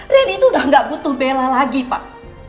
reddy itu udah nggak butuh bella lagi pak